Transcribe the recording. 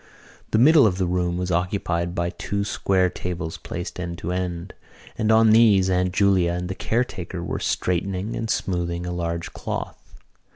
The middle of the room was occupied by two square tables placed end to end, and on these Aunt Julia and the caretaker were straightening and smoothing a large cloth.